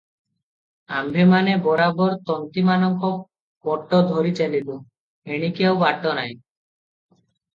ଆମ୍ଭେମାନେ ବରାବର ତନ୍ତୀମାନଙ୍କ ପଟ ଧରି ଚାଲିଲୁ, ଏଣିକି ଆଉ ବାଟ କାହିଁ?